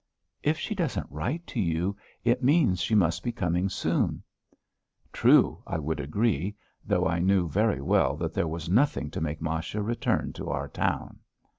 "If she doesn't write to you, it means she must be coming soon." "True," I would agree, though I knew very well that there was nothing to make Masha return to our town.